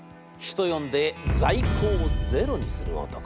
人呼んで在庫をゼロにする男。